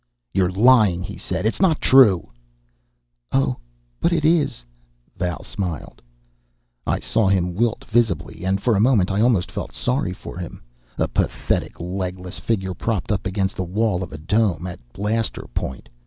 "You're lying," he said. "It's not true!" "Oh, but it is," Val smiled. I saw him wilt visibly, and for a moment I almost felt sorry for him, a pathetic legless figure propped up against the wall of the Dome at blaster point.